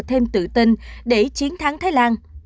thêm tự tin để chiến thắng thái lan